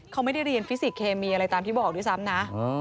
เขาไม่ได้เรียนฟิสิกเคมีอะไรตามที่บอกด้วยซ้ำนะ